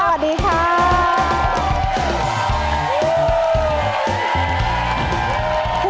สวัสดีครับ